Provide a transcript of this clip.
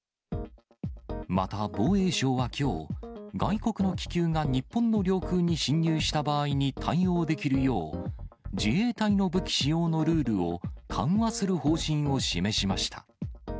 また防衛省はきょう、外国の気球が日本の領空に侵入した場合に対応できるよう、自衛隊の武器使用のルールを緩和する方針を示しました。